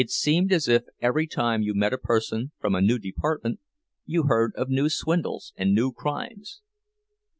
It seemed as if every time you met a person from a new department, you heard of new swindles and new crimes.